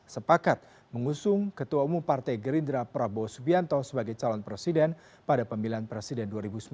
sepakat mengusung ketua umum partai gerindra prabowo subianto sebagai calon presiden pada pemilihan presiden dua ribu sembilan belas